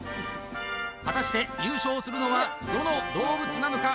果たして優勝するのはどの動物なのか？